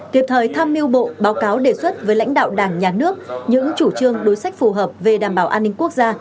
kịp thời tham mưu bộ báo cáo đề xuất với lãnh đạo đảng nhà nước những chủ trương đối sách phù hợp về đảm bảo an ninh quốc gia